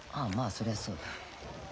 そりゃそうだ。